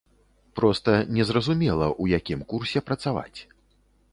Проста незразумела, у якім курсе працаваць.